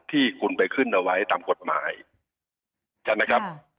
ที่คุณไปขึ้นเอาไว้ตามกฎหมายใช่ไหมครับ